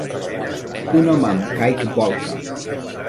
Un home amb caic bolca.